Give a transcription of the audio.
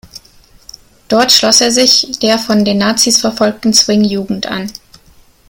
Dort schloss er sich der von den Nazis verfolgten Swing-Jugend an.